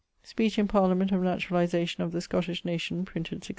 Speech in Parliament of naturalization of the Scottish nation: printed 1641.